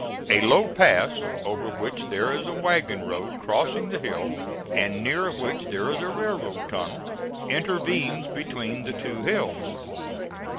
A low pass, over which there is a wagon road crossing the hill, and near which there is a railroad tunnel, intervenes between the two hills.